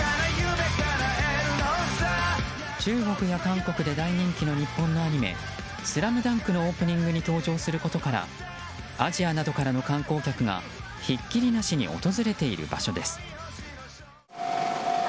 中国や韓国で大人気の日本のアニメ「ＳＬＡＭＤＵＮＫ」のオープニングに登場することからアジアなどからの観光客がひっきりなしに訪れている場所です。